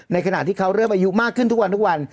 ขณะที่เขาเริ่มอายุมากขึ้นทุกวันทุกวัน